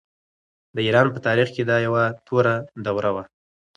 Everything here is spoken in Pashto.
د ایران په تاریخ کې دا یوه توره دوره وه.